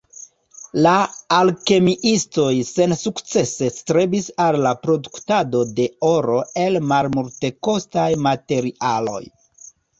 La alkemiistoj sensukcese strebis al la produktado de oro el malmultekostaj materialoj.